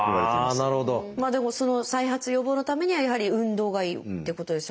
でもその再発予防のためにはやはり運動がいいってことですよね。